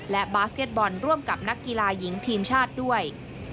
และบาสเก็ตบอลร่วมกับนักกีฬาหญิงทีมชาติด้วย